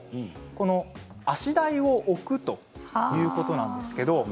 足台を置くということなんです。